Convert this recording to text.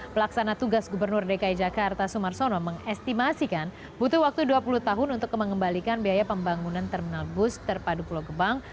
pelaksana tugas gubernur dki jakarta sumarsono mengestimasikan butuh waktu dua puluh tahun untuk mengembalikan biaya pembangunan terminal bus terpadu pulau gebang